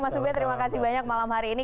mas ube terima kasih banyak malam hari ini